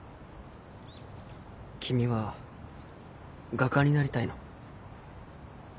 君は画家になりたいの？